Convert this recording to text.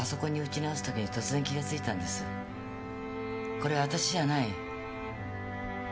これはあたしじゃない。